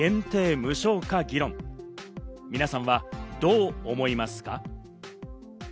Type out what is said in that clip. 無償化議論、皆さんはどう思いますか？